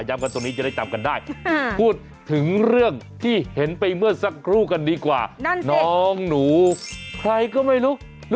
มากัดให้สบัดกันทุกคราวกับเราสองคน